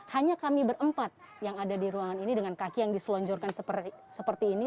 hanya kami berempat yang ada di ruangan ini dengan kaki yang diselonjorkan seperti ini